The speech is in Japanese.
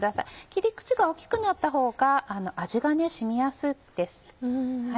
切り口が大きくなったほうが味が染みやすいです。